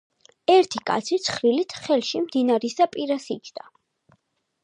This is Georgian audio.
ერთი კაცი ცხრილით ხელში მდინარისა პირას იჯდა.